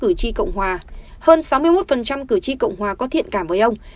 cử tri cộng hòa hơn sáu mươi một cử tri cộng hòa có thiện cảm với ông